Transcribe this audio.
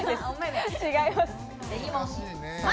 違います。